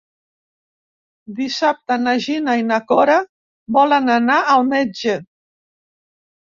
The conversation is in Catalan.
Dissabte na Gina i na Cora volen anar al metge.